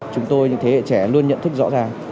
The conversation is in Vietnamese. chúng tôi những thế hệ trẻ luôn nhận thức rõ ràng